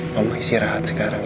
mama isi rahat sekarang ya